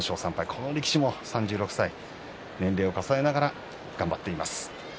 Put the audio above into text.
この力士も３６歳、年齢を重ねながら頑張っています。